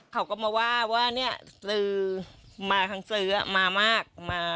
เขาก็มาว่าว่ามาทางสื่อมามาก